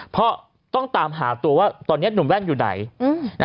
เพราะต้องตามหาตัวว่าตอนนี้หนุ่มแว่นอยู่ไหน